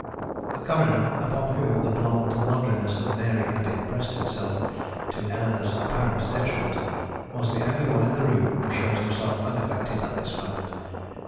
The coroner, upon whom the blonde loveliness of Mary had impressed itself to Eleanor's apparent detriment, was the only one in the room who showed himself unaffected at this moment.